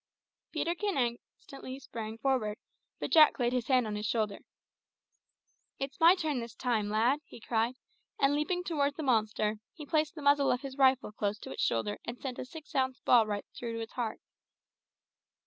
Peterkin instantly sprang forward, but Jack laid his hand on his shoulder. "It's my turn this time, lad," he cried, and leaping towards the monster, he placed the muzzle of his rifle close to its shoulder and sent a six ounce ball right through its heart.